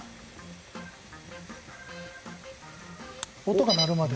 音が鳴るまで。